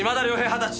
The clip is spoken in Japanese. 二十歳。